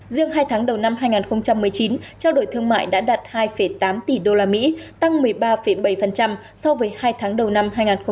riêng hai tháng đầu năm hai nghìn một mươi chín trao đổi thương mại đã đạt hai tám tỷ usd tăng một mươi ba bảy so với hai tháng đầu năm hai nghìn một mươi tám